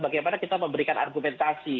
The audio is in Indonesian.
bagaimana kita memberikan argumentasi